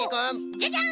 じゃじゃん！